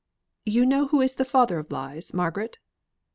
You know who is the father of lies, Margaret?